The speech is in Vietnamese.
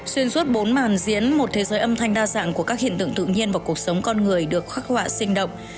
xuyên suốt bốn màn diễn một thế giới âm thanh đa dạng của các hiện tượng tự nhiên và cuộc sống con người được khắc họa sinh động